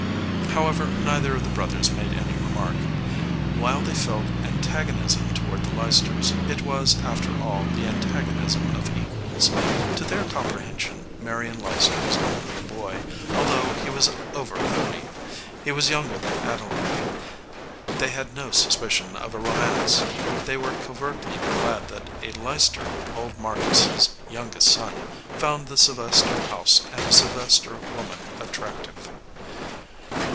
However, neither of the brothers made any re mark. While they felt antagonism toward the Leicesters, it was, after all, the antagonism of equals. To their comprehension, Marion Leicester was only a boy, although he was over thirty. He was younger than Adeline. They had no sus picion of a romance. They were covertly glad that a Leicester, old Marcus s youngest son, found the Sylvester house and a Sylvester woman attractive.